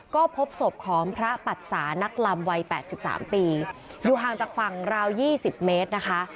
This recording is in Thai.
ก็พบศพของพระปัจสานักลำวัย๘๓ปีอยู่ห่างจากฝั่งราว๒๐เมตรนะคะ